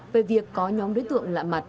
về việc có nhóm đối tượng lạ mặt